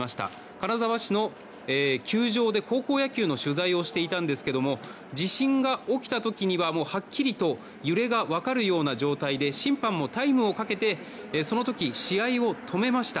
金沢市の球場で高校野球の取材をしていたんですけども地震が起きた時にはもうはっきりと揺れが分かるような状態で審判もタイムをかけてその時、試合を止めました。